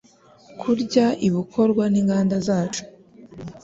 kurya ibukorwa ninganda zacu